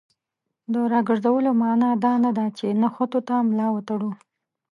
د راګرځولو معنا دا نه ده چې نښتو ته ملا وتړو.